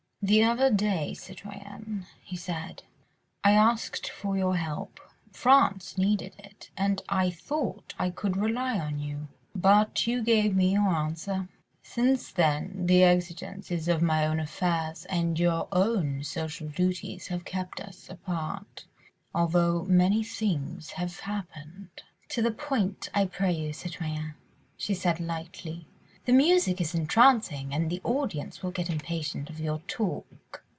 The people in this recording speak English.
"The other day, citoyenne," he said, "I asked for your help. ... France needed it, and I thought I could rely on you, but you gave me your answer. ... Since then the exigencies of my own affairs and your own social duties have kept us apart ... although many things have happened. ..." "To the point, I pray you, citoyen," she said lightly; "the music is entrancing, and the audience will get impatient of your talk."